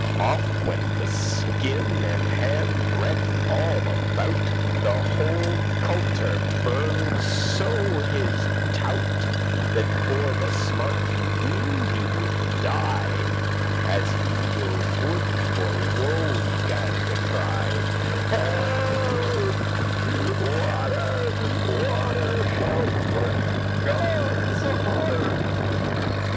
Off went the skin an handbreadth all about. The hote culter burned so his tout*, *breech That for the smart he weened* he would die; *thought As he were wood*, for woe he gan to cry, *mad "Help! water, water, help for Godde's heart!"